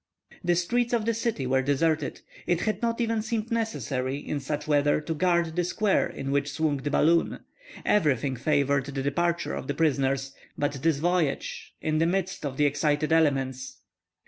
The streets of the city were deserted; it had not even seemed necessary, in such weather, to guard the square in which swung the balloon. Everything favored the departure of the prisoners; but this voyage, in the midst of the excited elements!